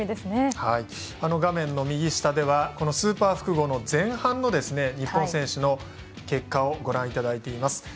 画面の右下ではスーパー複合の前半の日本選手の結果をご覧いただいています。